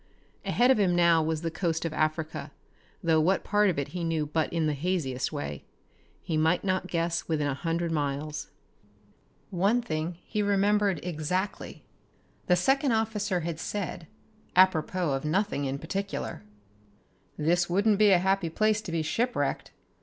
Ahead of him now was the coast of Africa, though what part of it he knew but in the haziest way. He might not guess within a hundred miles. One thing only he remembered exactly. The second officer had said, apropos of nothing in particular: "This wouldn't be a happy place to be shipwrecked.